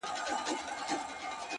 ستا هغه رنگين تصوير!